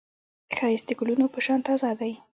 ښایست د ګلونو په شان تازه دی